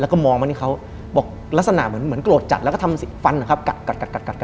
แล้วก็มองมานี่เขาบอกลักษณะเหมือนโกรธจัดแล้วก็ทำฟันนะครับกัด